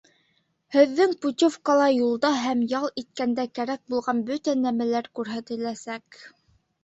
Һеҙҙең путевкала юлда һәм ял иткәндә кәрәк булған бөтә нәмәләр күрһәтеләсәк.